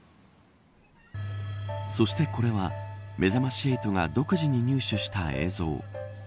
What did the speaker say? そして、これはめざまし８が独自に入手した映像。